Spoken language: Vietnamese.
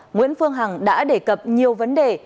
nguyễn phương hằng đã đề cập nhiều vấn đề